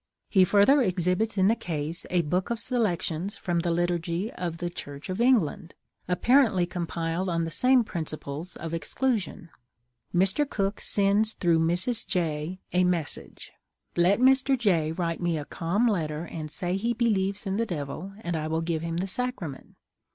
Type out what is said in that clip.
He further exhibits in the case a book of selections from the liturgy of the Church of England, apparently compiled on the same principle of exclusion.. Mr. Cook sends through Mrs. J. a message: "Let Mr. J. write me a calm letter, and say he believes in the Devil, and I will give him the Sacrament."